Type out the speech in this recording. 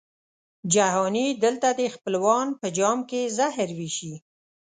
جهاني دلته دي خپلوان په جام کي زهر وېشي